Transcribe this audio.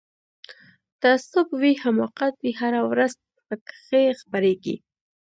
تعصب وي حماقت وي هره ورځ پکښی خپریږي